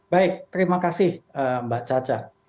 baik terima kasih mbak caca